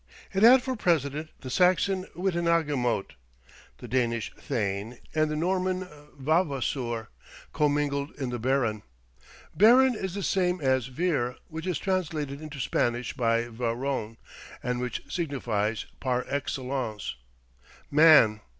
It had for precedent the Saxon wittenagemote. The Danish thane and the Norman vavassour commingled in the baron. Baron is the same as vir, which is translated into Spanish by varon, and which signifies, par excellence, "Man."